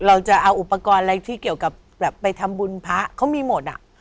เราจะเอาอุปกรณ์อะไรที่เกี่ยวกับแบบไปทำบุญพระเขามีหมดอ่ะ